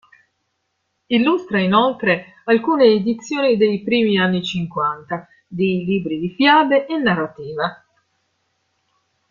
Illustra inoltre alcune edizioni dei primi anni cinquanta di libri di fiabe e narrativa.